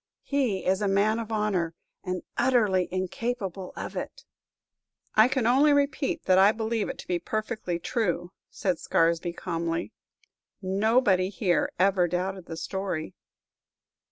He is a man of honor, and utterly incapable of it." "I can only repeat that I believe it to be perfectly true!" said Scaresby, calmly. "Nobody here ever doubted the story."